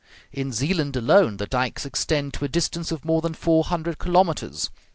In Zealand alone the dikes extend to a distance of more than four hundred kilometres.